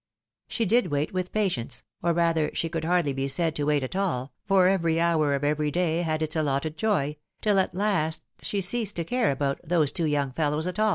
She did wait with patience, or rather she could hardly be said to wait at aU, for every hour of every day had its allotted joy, till at last she ceased to care about " those two young fellows" at aU.